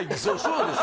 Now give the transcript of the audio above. そうです